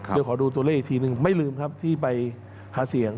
เดี๋ยวขอดูตัวเลขอีกทีนึงไม่ลืมครับที่ไปหาเสียง